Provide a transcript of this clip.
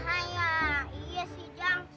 ayah iya sih jang